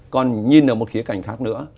còn nhìn ở một khía cạnh khác nữa